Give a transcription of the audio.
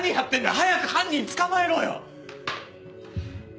早く犯人捕まえろよ！